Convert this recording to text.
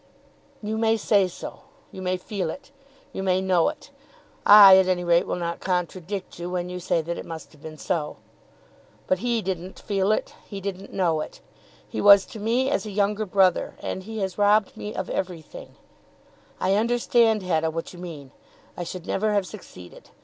"You may think so. You may feel it. You may know it. I at any rate will not contradict you when you say that it must have been so. But he didn't feel it. He didn't know it. He was to me as a younger brother, and he has robbed me of everything. I understand, Hetta, what you mean. I should never have succeeded!